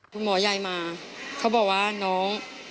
คุณหมอใหญ่มาเขาบอกว่าน้อง